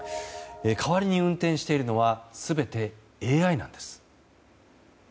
代わりに運転しているのは全てＡＩなんです。